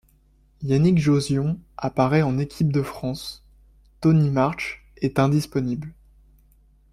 Yannick Jauzion apparaît en équipe de France, Tony Marsh est indisponible.